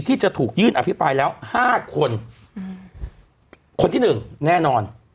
ที่จะถูกยื่นอภิปรายแล้ว๕คนคนที่๑แน่นอน